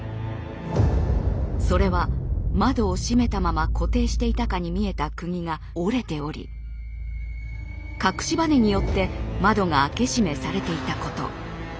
それは窓を閉めたまま固定していたかに見えたくぎが折れており隠しバネによって窓が開け閉めされていたこと。